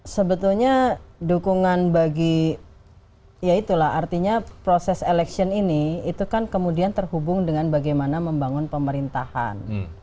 sebetulnya dukungan bagi ya itulah artinya proses election ini itu kan kemudian terhubung dengan bagaimana membangun pemerintahan